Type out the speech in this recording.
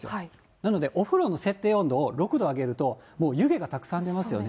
なので、お風呂の設定温度を６度上げると、もう湯気がたくさん出ますよね。